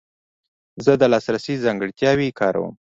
زه د لاسرسي ځانګړتیاوې کاروم.